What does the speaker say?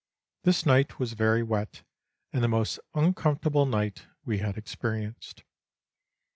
This night was very wet, and the most uncomfortable night we had experienced.